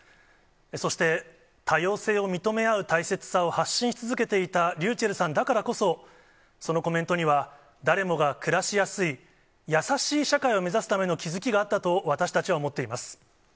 そして多様性を認め合う大切さを発信し続けていたｒｙｕｃｈｅｌｌさんだからこそ、そのコメントには、誰もが暮らしやすい優しい社会を目指すための気付きがあったと私たちは思っています。